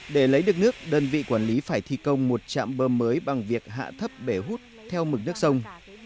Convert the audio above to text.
để lấy được nước đơn vị quản lý phải thi công một trạm bơm mới bằng việc hạ thấp bể hút theo mực nước sông